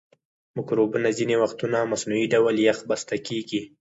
مکروبونه ځینې وختونه مصنوعي ډول یخ بسته کیږي.